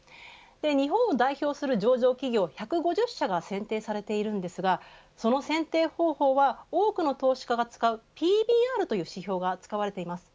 日本を代表する上場企業１５０社が選定されていますがその選定方法は多くの投資家が使うＰＢＲという指標が使われています。